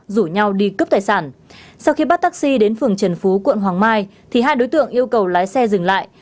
rủ nhau đi cướp tài sản sau khi bắt taxi đến phường trần phú quận hoàng mai thì hai đối tượng yêu cầu lái xe dừng lại